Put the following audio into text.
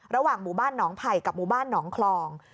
ระหว่างหมู่บ้านหนองไผ่กับหมู่บ้านหนองคลอง